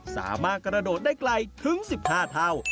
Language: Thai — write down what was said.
สามารถกระโดดได้ไกลถึง๑๕เท่า